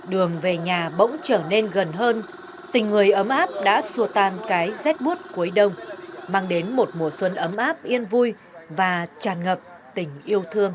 đường về nhà bỗng trở nên gần hơn tình người ấm áp đã xua tan cái rét bút cuối đông mang đến một mùa xuân ấm áp yên vui và tràn ngập tình yêu thương